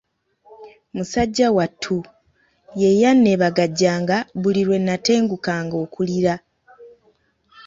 Musajja wattu, ye yanneebagajjanga buli lwe nnatengukanga okulira.